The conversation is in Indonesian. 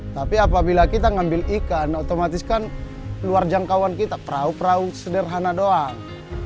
tapi apabila kita ngambil ikan otomatis kan luar jangkauan kita perahu perahu sederhana doang